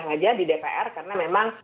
sekarang saja di dpr karena memang